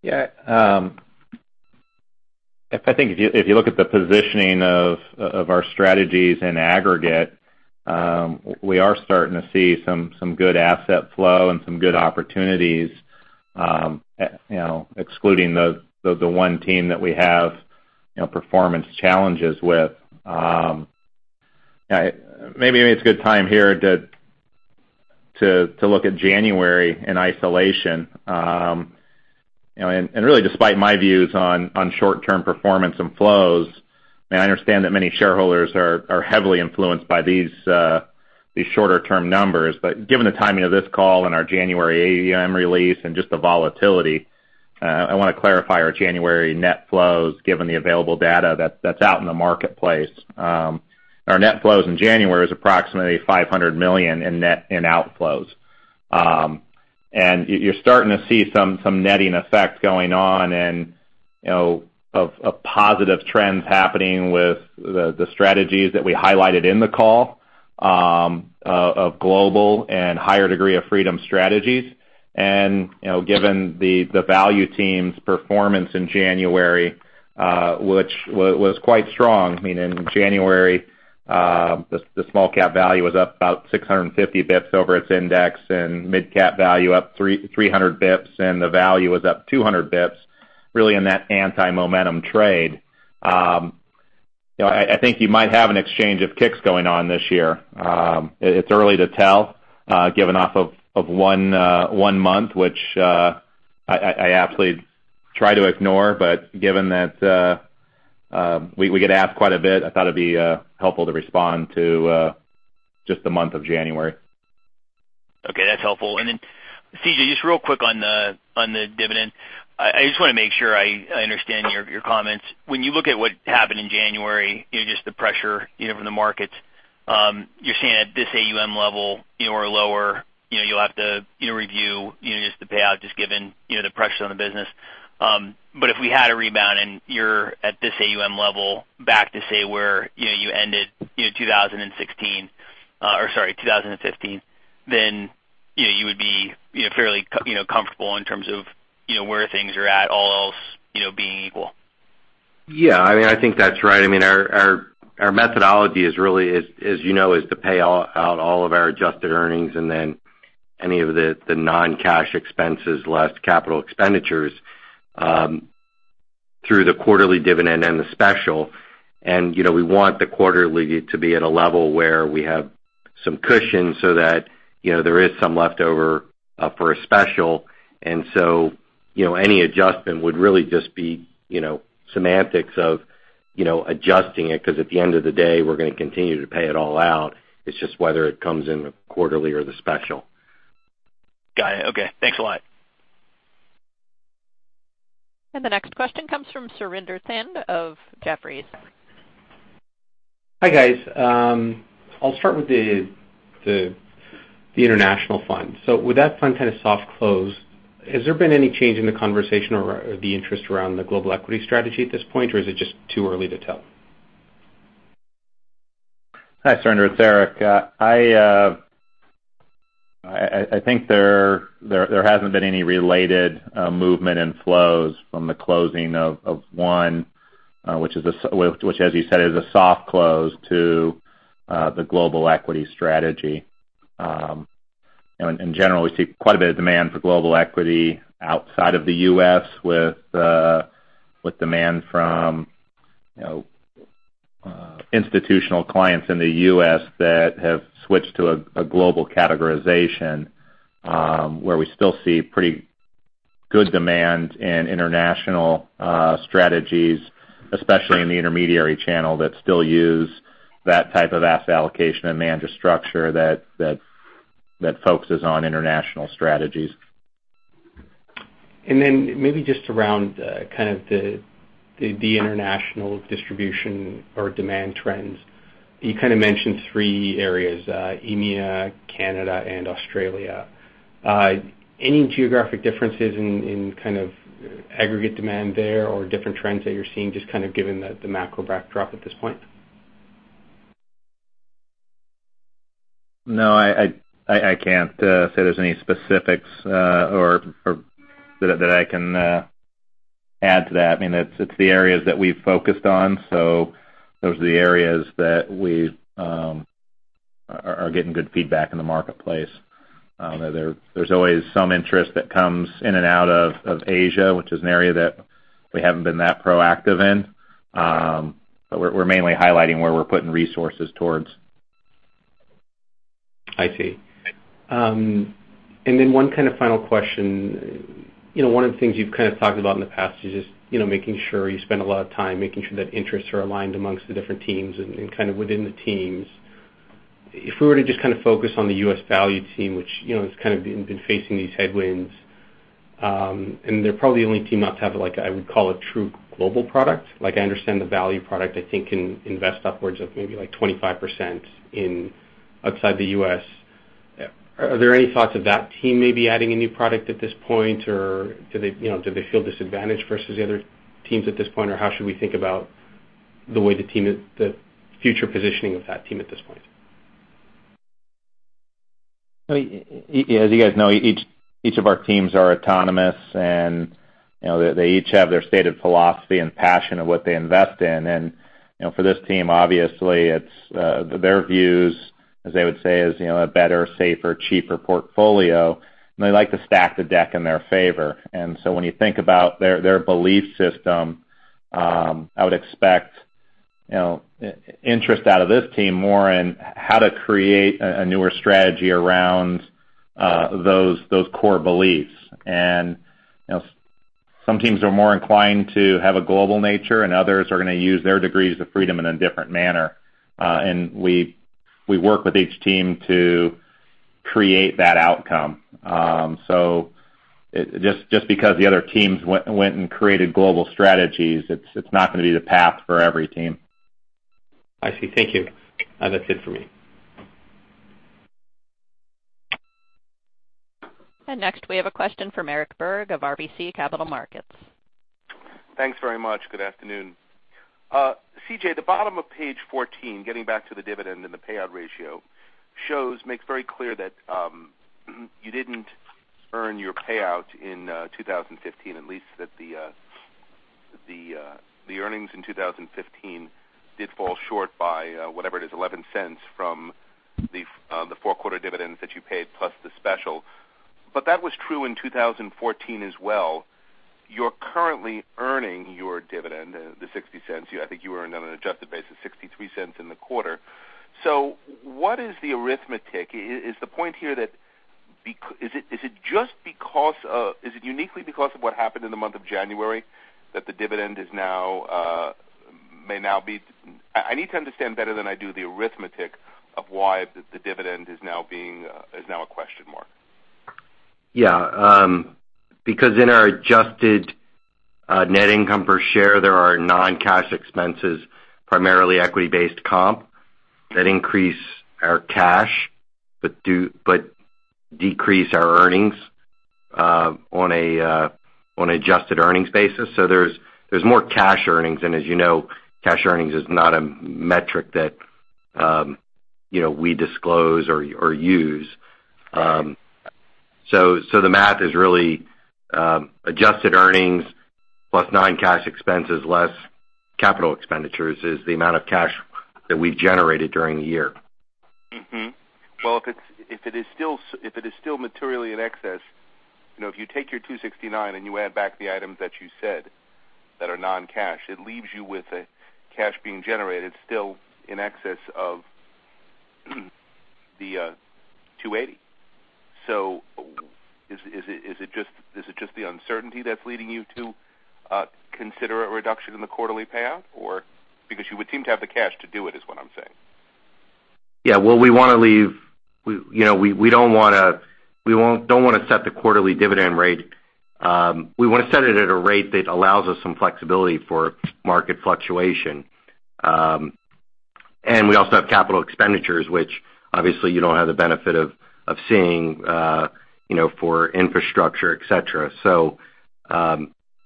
Yeah. I think if you look at the positioning of our strategies in aggregate, we are starting to see some good asset flow and some good opportunities Excluding the one team that we have performance challenges with. Maybe it's a good time here to look at January in isolation. Really, despite my views on short-term performance and flows, I understand that many shareholders are heavily influenced by these shorter-term numbers. Given the timing of this call and our January AUM release and just the volatility, I want to clarify our January net flows, given the available data that's out in the marketplace. Our net flows in January is approximately $500 million in outflows. You're starting to see some netting effect going on, and of positive trends happening with the strategies that we highlighted in the call of global and higher degree of freedom strategies. Given the Value team's performance in January, which was quite strong. In January, the Small-Cap Value was up about 650 basis points over its index, Mid-Cap Value up 300 basis points, and the Value was up 200 basis points, really in that anti-momentum trade. I think you might have an exchange of ticks going on this year. It's early to tell given off of one month, which I absolutely try to ignore, but given that we get asked quite a bit, I thought it'd be helpful to respond to just the month of January. Okay, that's helpful. CJ, just real quick on the dividend. I just want to make sure I understand your comments. When you look at what happened in January, just the pressure from the markets, you're saying at this AUM level or lower, you'll have to review just the payout, just given the pressures on the business. If we had a rebound and you're at this AUM level back to, say, where you ended 2015, then you would be fairly comfortable in terms of where things are at, all else being equal. Yeah, I think that's right. Our methodology is really, as you know, is to pay out all of our adjusted earnings and then any of the non-cash expenses less capital expenditures through the quarterly dividend and the special. We want the quarterly to be at a level where we have some cushion so that there is some leftover for a special. Any adjustment would really just be semantics of adjusting it, because at the end of the day, we're going to continue to pay it all out. It's just whether it comes in the quarterly or the special. Got it. Okay. Thanks a lot. The next question comes from Surinder Thind of Jefferies. Hi, guys. I'll start with the international fund. With that fund kind of soft close, has there been any change in the conversation or the interest around the Global Equity strategy at this point, or is it just too early to tell? Hi, Surinder. It's Eric. I think there hasn't been any related movement in flows from the closing of one, which, as you said, is a soft close to the Global Equity strategy. In general, we see quite a bit of demand for Global Equity outside of the U.S. with demand from institutional clients in the U.S. that have switched to a global categorization, where we still see pretty good demand in international strategies, especially in the intermediary channel, that still use that type of asset allocation and manager structure that focuses on international strategies. Maybe just around kind of the international distribution or demand trends. You kind of mentioned three areas, EMEA, Canada, and Australia. Any geographic differences in kind of aggregate demand there or different trends that you're seeing, just kind of given the macro backdrop at this point? No, I can't say there's any specifics or that I can add to that. It's the areas that we've focused on. Those are the areas that we are getting good feedback in the marketplace. There's always some interest that comes in and out of Asia, which is an area that we haven't been that proactive in. We're mainly highlighting where we're putting resources towards. I see. One kind of final question. One of the things you've kind of talked about in the past is just making sure you spend a lot of time making sure that interests are aligned amongst the different teams and kind of within the teams. If we were to just kind of focus on the U.S. Value team, which has kind of been facing these headwinds, and they're probably the only team not to have, like I would call a true global product. I understand the Value product, I think, can invest upwards of maybe like 25% outside the U.S. Are there any thoughts of that team maybe adding a new product at this point? Do they feel disadvantaged versus the other teams at this point? How should we think about the future positioning of that team at this point? As you guys know, each of our teams are autonomous, and they each have their stated philosophy and passion of what they invest in. For this team, obviously, their views As they would say, is a better, safer, cheaper portfolio, and they like to stack the deck in their favor. When you think about their belief system, I would expect interest out of this team more in how to create a newer strategy around those core beliefs. Some teams are more inclined to have a global nature, and others are going to use their degrees of freedom in a different manner. We work with each team to create that outcome. Just because the other teams went and created global strategies, it's not going to be the path for every team. I see. Thank you. That's it for me. Next, we have a question from Eric Berg of RBC Capital Markets. Thanks very much. Good afternoon. C.J., the bottom of page 14, getting back to the dividend and the payout ratio, makes very clear that you didn't earn your payout in 2015. At least that the earnings in 2015 did fall short by whatever it is, $0.11 from the four quarter dividends that you paid plus the special. That was true in 2014 as well. You're currently earning your dividend, the $0.60. I think you earned on an adjusted basis $0.63 in the quarter. What is the arithmetic? Is it uniquely because of what happened in the month of January that the dividend may now be a question mark? I need to understand better than I do the arithmetic of why the dividend is now a question mark. Yeah. In our adjusted net income per share, there are non-cash expenses, primarily equity-based comp that increase our cash, but decrease our earnings on adjusted earnings basis. There's more cash earnings. As you know, cash earnings is not a metric that we disclose or use. The math is really adjusted earnings plus non-cash expenses, less capital expenditures, is the amount of cash that we've generated during the year. Mm-hmm. If it is still materially in excess, if you take your 269 and you add back the items that you said that are non-cash, it leaves you with a cash being generated still in excess of the 280. Is it just the uncertainty that's leading you to consider a reduction in the quarterly payout, or? You would seem to have the cash to do it, is what I'm saying. Yeah. Well, we don't want to set the quarterly dividend rate. We want to set it at a rate that allows us some flexibility for market fluctuation. We also have capital expenditures, which obviously you don't have the benefit of seeing for infrastructure, et cetera.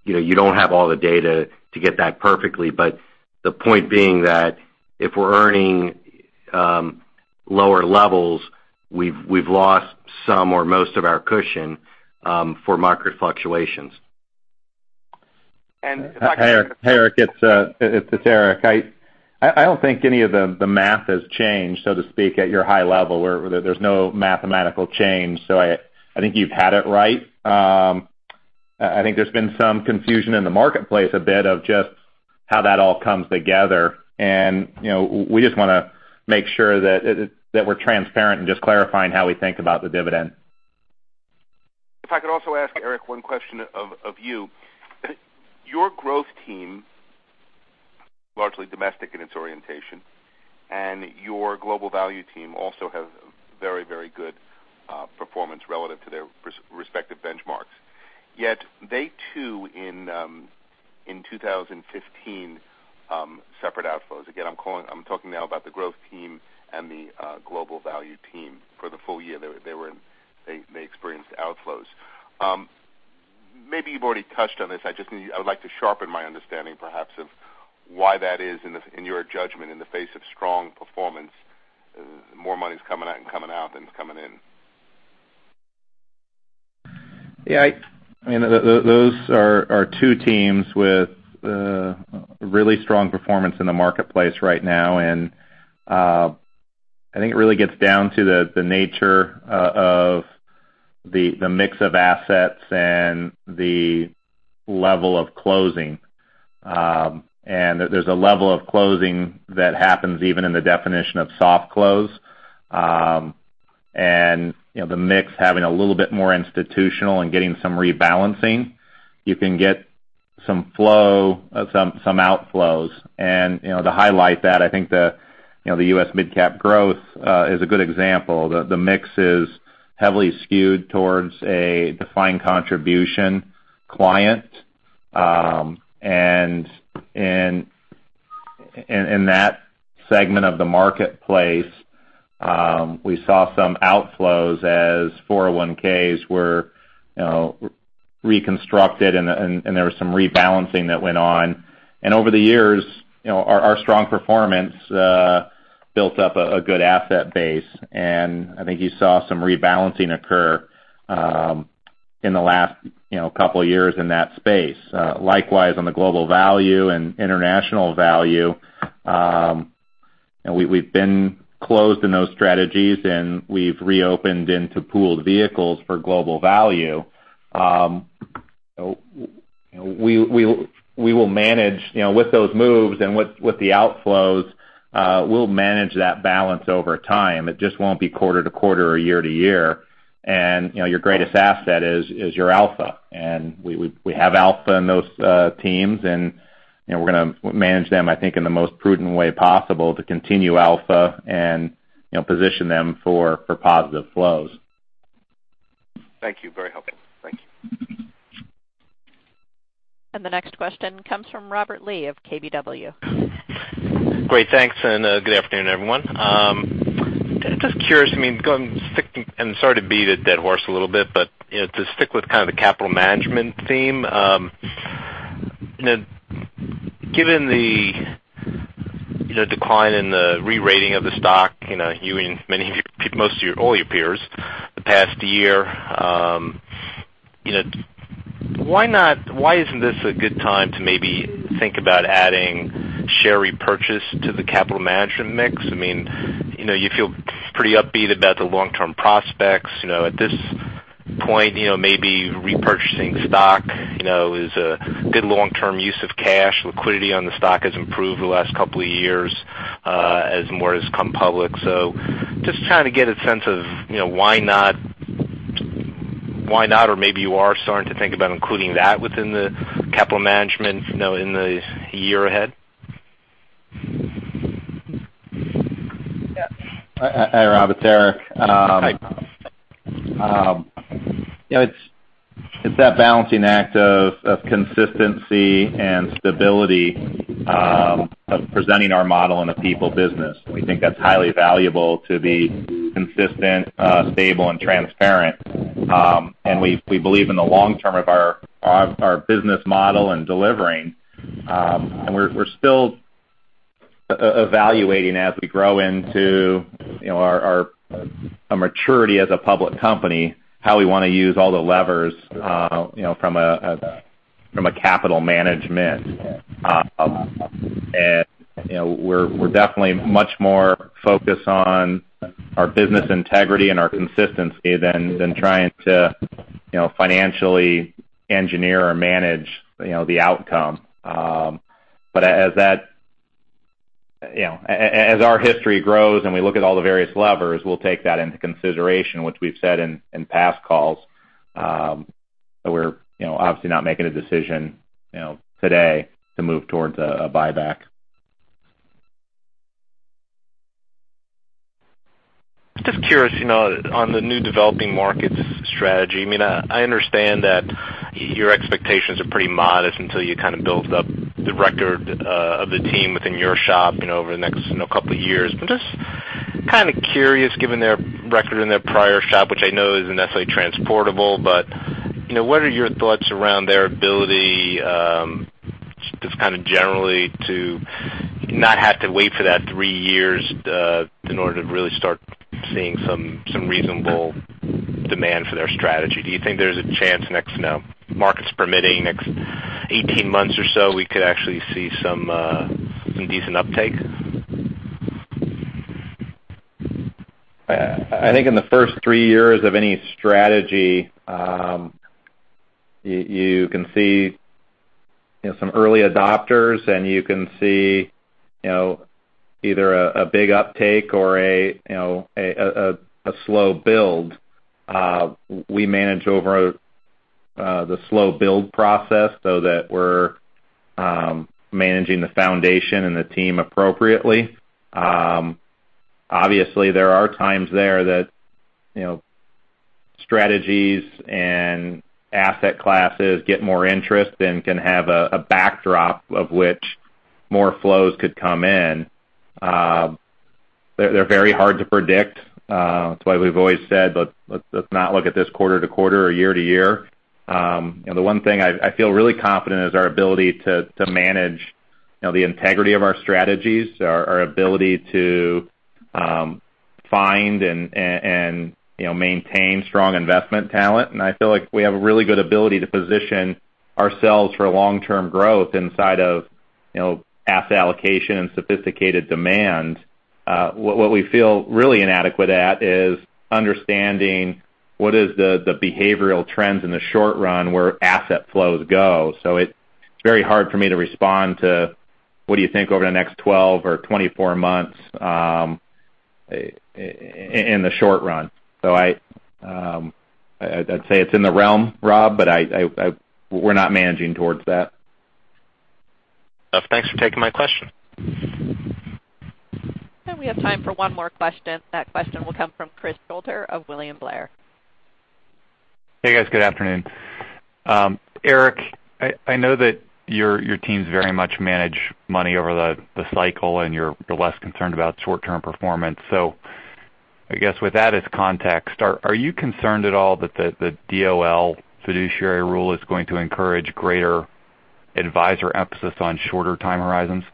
You don't have all the data to get that perfectly. The point being that if we're earning lower levels, we've lost some or most of our cushion for market fluctuations. If I could. Hey, Eric, it's Eric. I don't think any of the math has changed, so to speak, at your high level, where there's no mathematical change. I think you've had it right. I think there's been some confusion in the marketplace a bit of just how that all comes together. We just want to make sure that we're transparent and just clarifying how we think about the dividend. If I could also ask Eric one question of you. Your Growth team, largely domestic in its orientation, and your Global Value team also have very good performance relative to their respective benchmarks. Yet they, too, in 2015, separate outflows. Again, I'm talking now about the Growth team and the Global Value team. For the full year, they experienced outflows. Maybe you've already touched on this. I would like to sharpen my understanding perhaps of why that is in your judgment, in the face of strong performance, more money's coming out than is coming in. Yeah. Those are two teams with really strong performance in the marketplace right now. I think it really gets down to the nature of the mix of assets and the level of closing. There's a level of closing that happens even in the definition of soft close. The mix having a little bit more institutional and getting some rebalancing, you can get some outflows. To highlight that, I think the U.S. Mid-Cap Growth is a good example. The mix is heavily skewed towards a defined contribution client. In that segment of the marketplace, we saw some outflows as 401(k)s were reconstructed, and there was some rebalancing that went on. Over the years, our strong performance built up a good asset base. I think you saw some rebalancing occur in the last couple of years in that space. Likewise, on the Global Value and International Value, we've been closed in those strategies, and we've reopened into pooled vehicles for Global Value. We will manage with those moves and with the outflows. We'll manage that balance over time. It just won't be quarter to quarter or year to year. Your greatest asset is your alpha. We have alpha in those teams, and we're going to manage them, I think, in the most prudent way possible to continue alpha and position them for positive flows. Thank you. Very helpful. Thank you. The next question comes from Robert Lee of KBW. Great. Thanks, and good afternoon, everyone. Just curious, and sorry to beat a dead horse a little bit, but to stick with kind of the capital management theme. Given the decline in the re-rating of the stock, you and most of all your peers the past year. Why isn't this a good time to maybe think about adding share repurchase to the capital management mix? You feel pretty upbeat about the long-term prospects. At this point, maybe repurchasing stock is a good long-term use of cash. Liquidity on the stock has improved the last couple of years as more has come public. Just trying to get a sense of why not, or maybe you are starting to think about including that within the capital management in the year ahead. Hi, Rob. It's Eric. Hi. It's that balancing act of consistency and stability of presenting our model in a people business. We think that's highly valuable to be consistent, stable, and transparent. We believe in the long term of our business model and delivering. We're still evaluating, as we grow into our maturity as a public company, how we want to use all the levers from a capital management. We're definitely much more focused on our business integrity and our consistency than trying to financially engineer or manage the outcome. As our history grows and we look at all the various levers, we'll take that into consideration, which we've said in past calls. We're obviously not making a decision today to move towards a buyback. Just curious on the new developing markets strategy. I understand that your expectations are pretty modest until you kind of build up the record of the team within your shop over the next couple of years. Just kind of curious, given their record in their prior shop, which I know isn't necessarily transportable, but what are your thoughts around their ability, just kind of generally, to not have to wait for that three years in order to really start seeing some reasonable demand for their strategy? Do you think there's a chance next, markets permitting, next 18 months or so, we could actually see some decent uptake? I think in the first three years of any strategy, you can see some early adopters. You can see either a big uptake or a slow build. We manage over the slow build process so that we're managing the foundation and the team appropriately. Obviously, there are times there that strategies and asset classes get more interest and can have a backdrop of which more flows could come in. They're very hard to predict. That's why we've always said, let's not look at this quarter to quarter or year to year. The one thing I feel really confident is our ability to manage the integrity of our strategies, our ability to find and maintain strong investment talent. I feel like we have a really good ability to position ourselves for long-term growth inside of asset allocation and sophisticated demand. What we feel really inadequate at is understanding what is the behavioral trends in the short run where asset flows go. It's very hard for me to respond to, what do you think over the next 12 or 24 months in the short run. I'd say it's in the realm, Rob, but we're not managing towards that. Thanks for taking my question. We have time for one more question. That question will come from Chris Shutler of William Blair. Hey, guys. Good afternoon. Eric, I know that your teams very much manage money over the cycle, and you're less concerned about short-term performance. I guess with that as context, are you concerned at all that the DOL fiduciary rule is going to encourage greater advisor emphasis on shorter time horizons?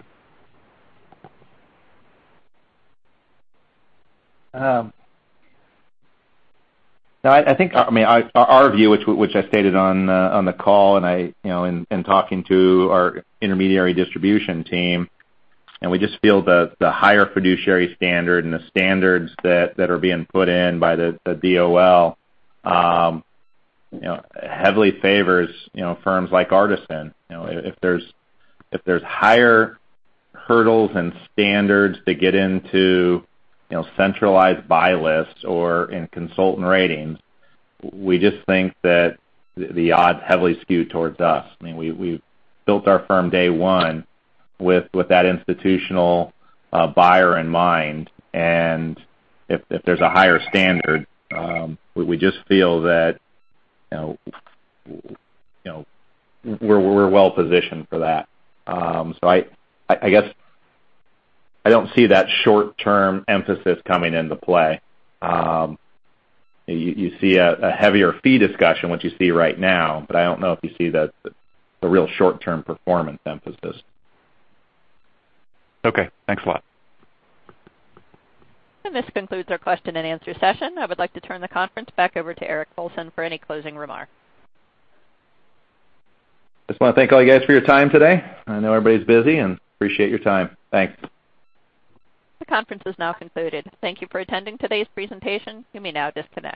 Our view, which I stated on the call and talking to our intermediary distribution team, we just feel the higher fiduciary standard and the standards that are being put in by the DOL heavily favors firms like Artisan. If there's higher hurdles and standards to get into centralized buy lists or in consultant ratings, we just think that the odds heavily skew towards us. We built our firm day one with that institutional buyer in mind, and if there's a higher standard, we just feel that we're well-positioned for that. I guess I don't see that short-term emphasis coming into play. You see a heavier fee discussion, which you see right now, I don't know if you see the real short-term performance emphasis. Okay, thanks a lot. This concludes our question and answer session. I would like to turn the conference back over to Eric Colson for any closing remarks. Just want to thank all you guys for your time today. I know everybody's busy, and appreciate your time. Thanks. The conference is now concluded. Thank you for attending today's presentation. You may now disconnect.